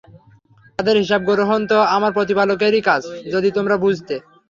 তাদের হিসাব গ্রহণ তো আমার প্রতিপালকেরই কাজ, যদি তোমরা বুঝতে।